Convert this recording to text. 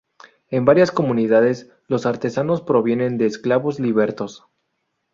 En varias comunidades los artesanos provienen de esclavos libertos.